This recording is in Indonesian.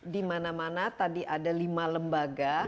di mana mana tadi ada lima lembaga